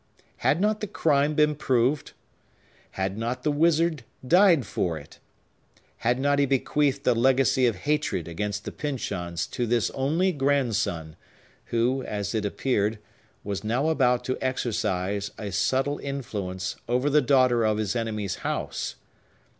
Had not the crime been proved? Had not the wizard died for it? Had he not bequeathed a legacy of hatred against the Pyncheons to this only grandson, who, as it appeared, was now about to exercise a subtle influence over the daughter of his enemy's house?